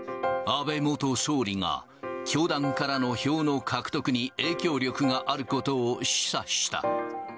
安倍元総理が教団からの票の獲得に影響力があることを示唆した。